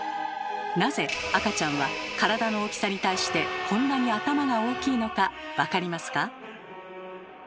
なぜ赤ちゃんは体の大きさに対してこんなに頭が大きいのか分かりますか？